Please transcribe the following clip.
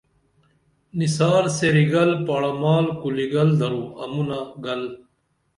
نسار سریگل پاڑہ مال کولِگل درو امُونہ گل